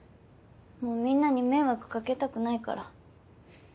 もうみんなに迷惑かけたくないから。